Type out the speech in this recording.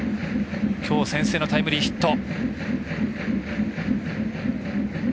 きょう先制のタイムリーヒット。